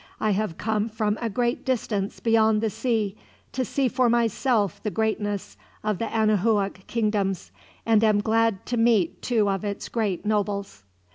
I have come from a great distance beyond the sea, to see for myself the greatness of the Anahuac kingdoms, and am glad to meet two of its great nobles."